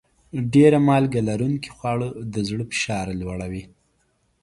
ډېر مالګه لرونکي خواړه د زړه فشار لوړوي.